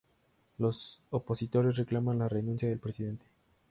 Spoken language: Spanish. Los opositores reclaman la renuncia de la presidente.